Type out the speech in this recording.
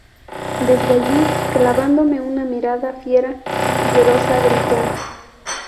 desde allí, clavándome una mirada fiera y llorosa, gritó: